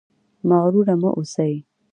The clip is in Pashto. مغرور مه اوسئ